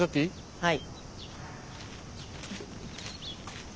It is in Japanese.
はい。